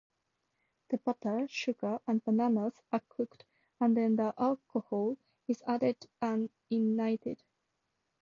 The butter, sugar and bananas are cooked, and then alcohol is added and ignited.